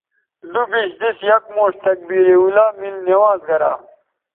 دوبیش دِس یک موݜ تکبیر اولیٰ میل نماز گرا